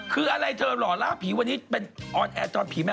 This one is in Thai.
คืออะไรเธอหล่อล่าผีวันนี้เป็นออนแอร์ตอนผีแม่